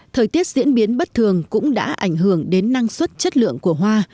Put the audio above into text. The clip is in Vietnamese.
thời tiết diễn biến bất thường cũng đã ảnh hưởng đến năng suất chất lượng của hoa